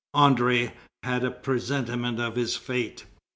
André had a presentiment of his fate.